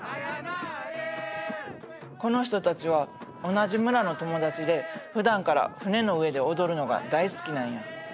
この人たちは同じ村の友達でふだんから船の上で踊るのが大好きなんや。